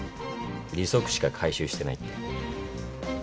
利息しか回収してないって。